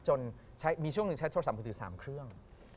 จนมีช่วงหนึ่งใช้โทรศัพท์มือถือ๓เครื่อง